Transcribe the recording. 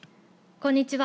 こんにちは。